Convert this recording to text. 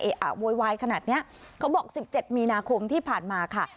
อะโวยวายขนาดเนี้ยเขาบอกสิบเจ็ดมีนาคมที่ผ่านมาค่ะ